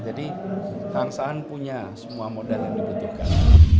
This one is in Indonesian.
jadi kang saan punya semua modal yang dibutuhkan